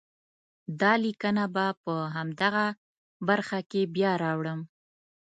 دا لیکنه به په همدغه برخه کې بیا راوړم.